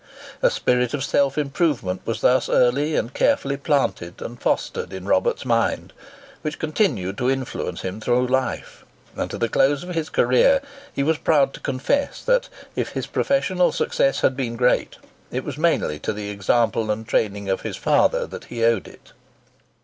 A spirit of self improvement was thus early and carefully planted and fostered in Robert's mind, which continued to influence him through life; and to the close of his career, he was proud to confess that if his professional success had been great, it was mainly to the example and training of his father that he owed it.